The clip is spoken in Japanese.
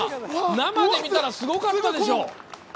生で見たらすごかったでしょ！